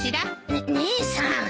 ね姉さん。